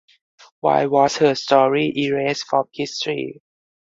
Why was her story erased from history?